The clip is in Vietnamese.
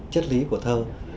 chất lý của thơ